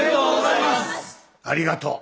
ありがとう。